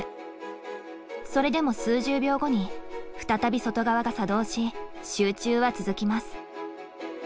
それでも数十秒後に再び外側が作動し集中は続きます。